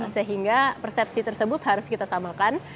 sehingga persepsi tersebut harus kita samakan